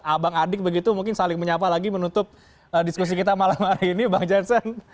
abang adik begitu mungkin saling menyapa lagi menutup diskusi kita malam hari ini bang jansen